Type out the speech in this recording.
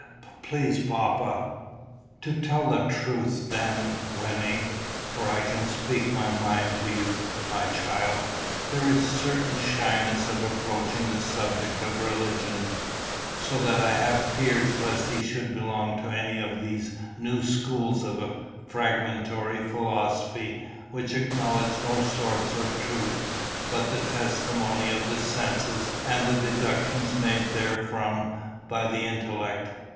please, papa." "To tell the truth then, Wynnie, for I can speak my mind to you, my child, there is a certain shyness of approaching the subject of religion; so that I have my fears lest he should belong to any of these new schools of a fragmentary philosophy which acknowledge no source of truth but the testimony of the senses and the deductions made therefrom by the intellect."